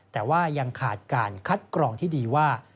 แต่ว่ายังขาดการคัดกรองที่ดีว่า